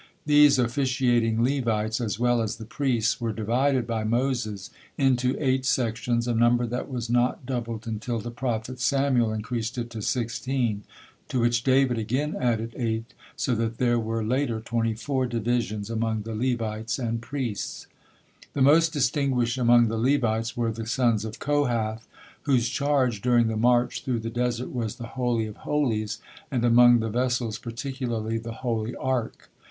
These officiating Levites, as well as the priests, were divided by Moses into eight sections, a number that was not doubled until the prophet Samuel increased it to sixteen, to which David again added eight, so that there were later twenty four divisions among the Levites and priests. The most distinguished among the Levites were the sons of Kohath, whose charge during the march through the desert was the Holy of Holies, and among the vessels particularly the Holy Ark.